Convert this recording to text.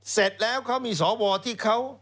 เสร็จแล้วเขามีสวที่เขา